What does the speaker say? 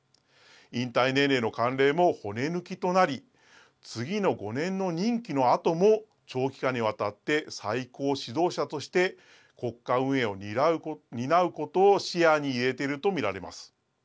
引退年齢の慣例も骨抜きとなり次の５年の任期のあとも長期間にわたって最高指導者として国家運営を担うことを視野に入れていると見られます。